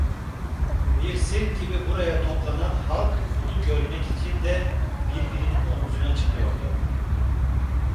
Bir sirk gibi buraya toplanan halk onu görmek için de birbirinin omuzuna çıkıyordu.